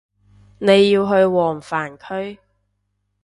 你要去黃泛區